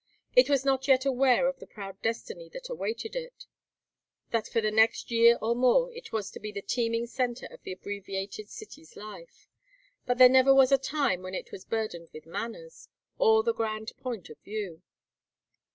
It was not yet aware of the proud destiny that awaited it, that for the next year or more it was to be the teeming centre of the abbreviated city's life, but there never was a time when it was burdened with manners, or the grand point of view.